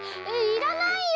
いらないよ！